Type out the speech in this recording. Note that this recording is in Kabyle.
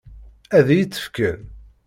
Ad iyi-tt-fken?